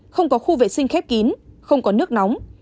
không có khu vệ sinh khép kín không có nước nóng